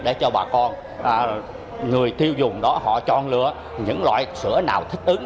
để cho bà con người tiêu dùng đó họ chọn lựa những loại sữa nào thích ứng